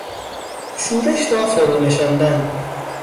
شورش را فرونشاندن